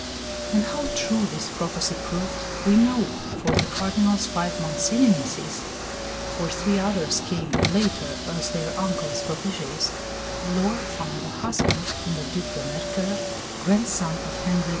And how true this prophecy proved, we know; for, of the Cardinal's five Mancini nieces (for three others came, later, as their uncle's protégées), Laure found a husband in the Duc de Mercoeur, grandson of Henri IV.